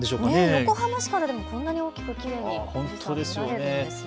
横浜市からでも、こんなに大きくきれいに見られるんですね。